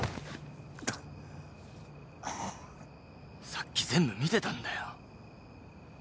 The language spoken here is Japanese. さっき全部見てたんだよ。